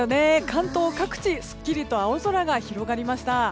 関東各地スッキリと青空が広がりました。